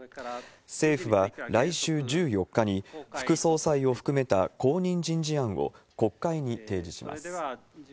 政府は来週１４日に、副総裁を含めた後任人事案を国会に提示します。